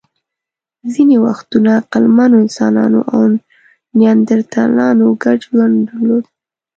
ځینې وختونه عقلمنو انسانانو او نیاندرتالانو ګډ ژوند درلود.